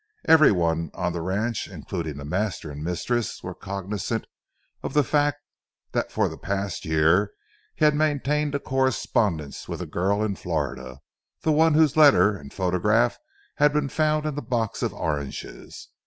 Every one on the ranch, including the master and mistress, were cognizant of the fact that for the past year he had maintained a correspondence with a girl in Florida—the one whose letter and photograph had been found in the box of oranges.